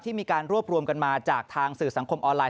มีการรวบรวมกันมาจากทางสื่อสังคมออนไลน